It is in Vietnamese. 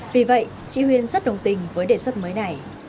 vì vậy chị huyền rất đồng tình với đề xuất mới này